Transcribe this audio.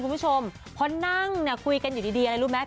เพราะนั่งคุยกันอยู่ดีรู้ไหม